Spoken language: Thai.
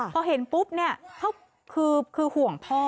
พอเห็นปุ๊บเนี่ยคือห่วงพ่อ